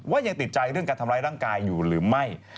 ยังติดใจเรื่องการทำร้ายร่างกายอยู่หรือไม่